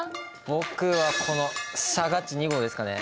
僕はこのさかっち２号ですかね。